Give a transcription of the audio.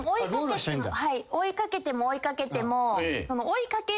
追い掛けても追い掛けても。